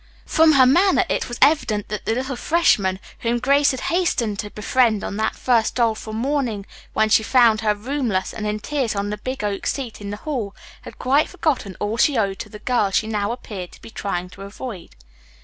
From her manner, it was evident that the little freshman, whom Grace had hastened to befriend on that first doleful morning when she found her roomless and in tears on the big oak seat in the hall, had quite forgotten all she owed to the girl she now appeared to be trying to avoid.